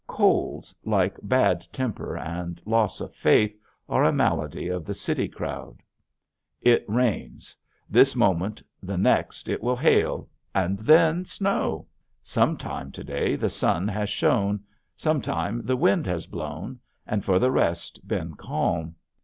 Colds, like bad temper and loss of faith, are a malady of the city crowd. It rains this moment, the next it will hail and then snow. Sometime to day the sun has shone, sometime the wind has blown, and for the rest been calm.